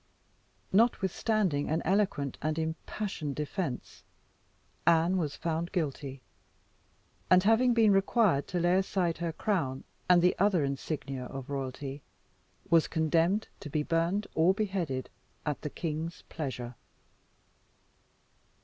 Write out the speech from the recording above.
Notwithstanding an eloquent and impassioned defence, Anne was found guilty; and having been required to lay aside her crown and the other insignia of royalty, was condemned to be burned or beheaded at the king's pleasure.